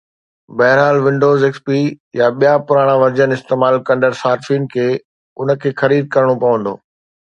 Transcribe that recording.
بهرحال، Windows, XP يا ٻيا پراڻا ورجن استعمال ڪندڙ صارفين کي ان کي خريد ڪرڻو پوندو